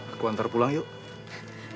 aku antar pulang yuk